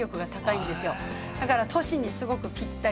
だから都市にすごくぴったり。